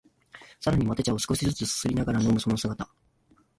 まさにマテ茶を少しづつすすりながら飲むその姿